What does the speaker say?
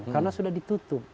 karena sudah ditutup